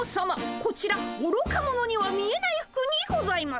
こちらおろか者には見えない服にございます。